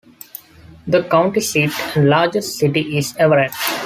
The county seat and largest city is Everett.